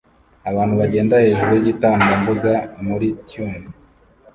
Abantu bagenda hejuru yigitambambuga muri tunnel